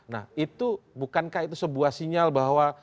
nah itu bukankah itu sebuah sinyal bahwa